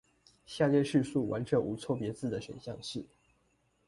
下列敘述完全無錯別字的選項是